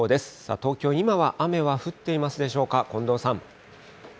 東京、今は雨は降っていますでしょうか、近藤さん。